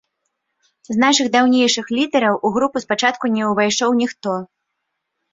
З нашых даўнейшых лідэраў у групу спачатку не ўвайшоў ніхто.